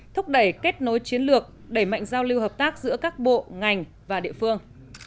thúc đẩy kết nối chiến lược đẩy mạnh giao lưu hợp tác giữa các bộ ngành và địa phương